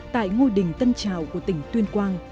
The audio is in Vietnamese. tại ngôi đình tân trào của tỉnh tuyên quang